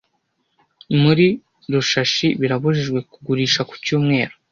Muri rushashi birabujijwe kugurisha ku cyumweru